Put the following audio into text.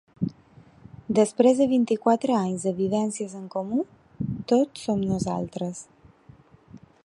Després de vint-i-quatre anys de vivències en comú, tots som nosaltres.